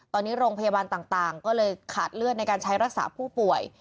ตอนนี้โรงพยาบาลต่างก็เลยขาดเลือดในการใช้รักษาผู้ป่วย